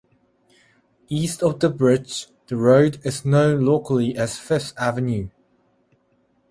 East of the bridge, the road is known locally as Fifth Avenue.